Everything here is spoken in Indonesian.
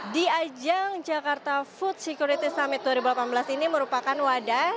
di ajang jakarta food security summit dua ribu delapan belas ini merupakan wadah